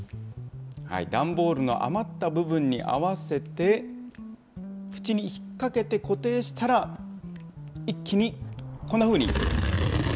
段ボールの余った部分に合わせて、縁に引っ掛けて固定したら、一気にこんなふうに。